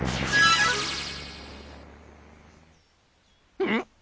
うん？